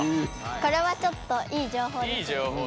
これはちょっといいじょうほうです。